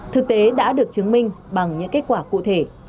thực tế đã được chứng minh bằng những kết quả cụ thể